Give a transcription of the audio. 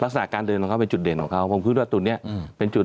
ลักษณะการเดินของเขาเป็นจุดเด่นของเขาผมคิดว่าจุดนี้เป็นจุด